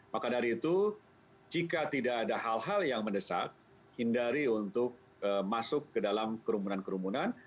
maka dari itu jika tidak ada hal hal yang mendesak hindari untuk masuk ke dalam kerumunan kerumunan